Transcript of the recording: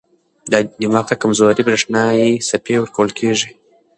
دماغ ته کمزورې برېښنايي څپې ورکول کېږي.